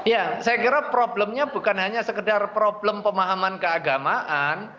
ya saya kira problemnya bukan hanya sekedar problem pemahaman keagamaan